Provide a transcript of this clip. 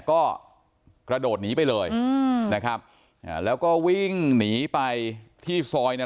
ก็กระโดดหนีไปเลยอืมนะครับอ่าแล้วก็วิ่งหนีไปที่ซอยเนี่ย